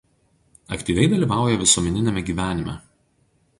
Aktyviai dalyvauja visuomeniniame gyvenime.